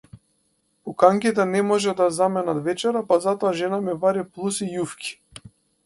Пуканките не можат да заменат вечера, па затоа жена ми вари плус и јуфки.